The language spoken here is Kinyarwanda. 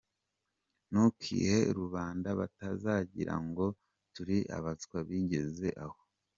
Ntukihe rubanda batazagira ngo turi abaswa bigeze aho.